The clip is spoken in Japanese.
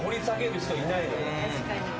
・確かに。